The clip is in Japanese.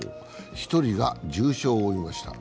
１人が重傷を負いました。